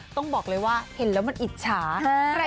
ต้องบอกเลยว่าเห็นแล้วมันอิจฉา